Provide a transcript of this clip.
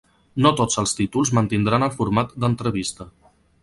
No tots els títols mantindran el format d'entrevista.